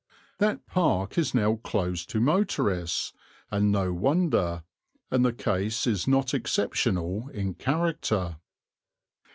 That park is now closed to motorists, and no wonder; and the case is not exceptional in character.